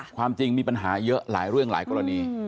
ความจริงมีปัญหาเยอะหลายเรื่องหลายกรณี